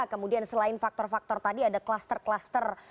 kemudian selain faktor faktor tadi ada cluster cluster